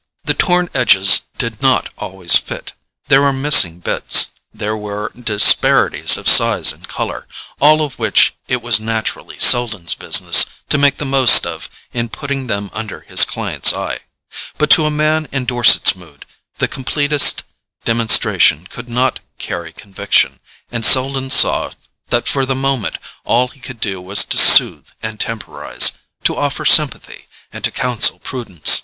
The torn edges did not always fit—there were missing bits, there were disparities of size and colour, all of which it was naturally Selden's business to make the most of in putting them under his client's eye. But to a man in Dorset's mood the completest demonstration could not carry conviction, and Selden saw that for the moment all he could do was to soothe and temporize, to offer sympathy and to counsel prudence.